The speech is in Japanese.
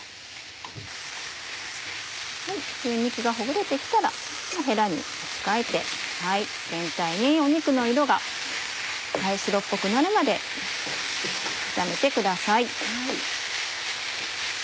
牛肉がほぐれて来たらヘラに持ち替えて全体に肉の色が白っぽくなるまで炒めてください。